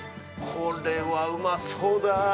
これは、うまそうだ。